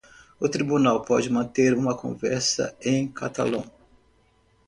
O tribunal pode manter uma conversa em catalão.